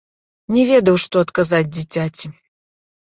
Не ведаў, што адказаць дзіцяці.